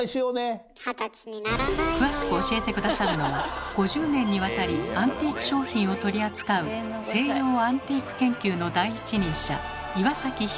詳しく教えて下さるのは５０年にわたりアンティーク商品を取り扱う西洋アンティーク研究の第一人者